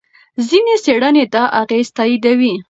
ځینې څېړنې دا اغېز تاییدوي.